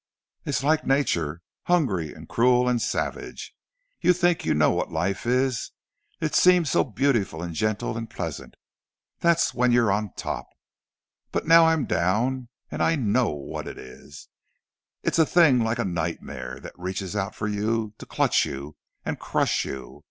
It's like Nature—hungry and cruel and savage! You think you know what life is; it seems so beautiful and gentle and pleasant—that's when you're on top! But now I'm down, and I know what it is—it's a thing like a nightmare, that reaches out for you to clutch you and crush you!